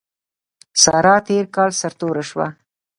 سارا تېر کال سر توره شوه.